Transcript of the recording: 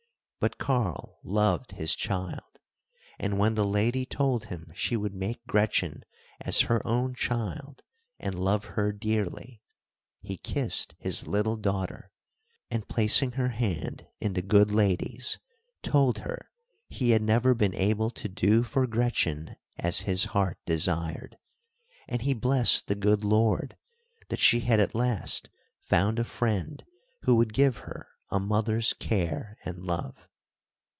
But Karl loved his child, and when the lady told him she would make Gretchen as her own child and love her dearly, he kissed his little daughter, and placing her hand in the good lady's, told her he had never been able to do for Gretchen as his heart desired, and he blessed the good Lord that she had at last found a friend who would give her a mother's care and love.